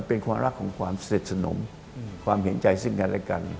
เป็นความรักของความเสร็จสนมความเห็นใจซึ่งกันและกัน